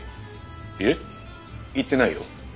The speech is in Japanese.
いえ行ってないよ。